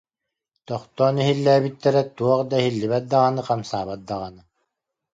Тохтоон иһиллээбиттэрэ, туох да иһиллибэт даҕаны, хамсаабат даҕаны